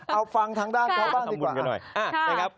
เอาฟังทางด้านเขาบ้างดีกว่า